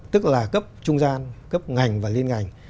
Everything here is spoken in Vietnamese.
tức là cấp trung gian cấp ngành và liên ngành